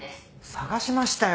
捜しましたよ。